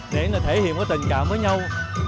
để thể hiện tình cảm với nhau